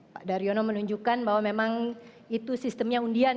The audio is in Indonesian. pak daryono menunjukkan bahwa memang itu sistemnya undian ya pak ya